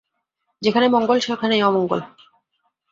যেখানে মঙ্গল, সেখানেই অমঙ্গল।